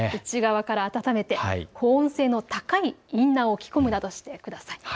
内側から温めて保温性の高いインナーを着込むなどしてください。